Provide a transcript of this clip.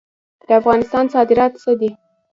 د افغانستان صادرات څه دي؟